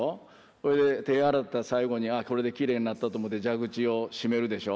それで手洗った最後にこれできれいになったと思って蛇口を締めるでしょ。